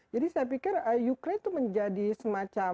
jadi saya pikir ukraine itu menjadi semacam